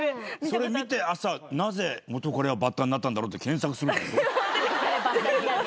それ見て朝なぜ元カレがバッタになったんだろう？って検索するんでしょ。